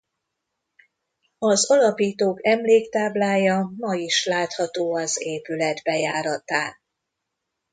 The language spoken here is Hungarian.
Az alapítók emléktáblája ma is látható az épület bejáratán.